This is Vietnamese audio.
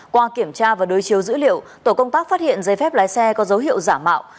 qua kiểm tra và đối chiếu dữ liệu tổ công tác phát hiện giấy phép lái xe có dấu hiệu giả mạo